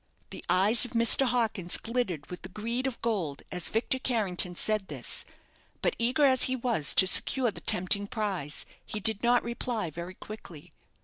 The eyes of Mr. Hawkins glittered with the greed of gold as Victor Carrington said this; but, eager as he was to secure the tempting prize, he did not reply very quickly.